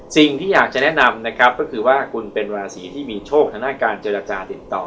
สิ่งที่อยากจะแนะนำนะครับก็คือว่าคุณเป็นราศีที่มีโชคทางด้านการเจรจาติดต่อ